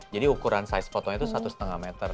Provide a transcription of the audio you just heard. jadi ukuran size fotonya itu satu lima meter